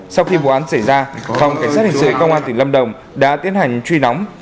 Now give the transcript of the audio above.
sau khi vụ án xảy ra phòng cảnh sát hình sự công an tỉnh lâm đồng đã tiến hành truy nóng